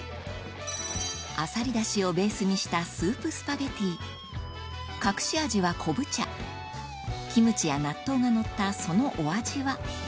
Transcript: アサリダシをベースにしたスープスパゲティ隠し味は昆布茶キムチや納豆がのったそのお味は？